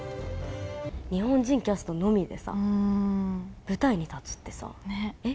日本人キャストのみでさ、舞台に立つってさ、えっ？